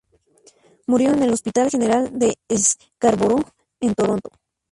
Murió en el Hospital General de Scarborough en Toronto.